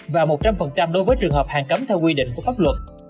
và một trăm linh đối với trường hợp hàng cấm theo quy định của pháp luật